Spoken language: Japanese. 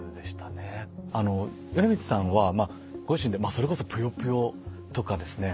米光さんはまあご自身でそれこそ「ぷよぷよ」とかですね